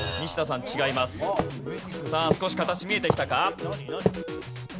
さあ少し形見えてきたか？